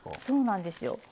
そうなんですよ。